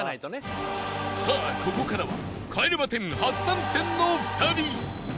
さあここからは帰れま１０初参戦の２人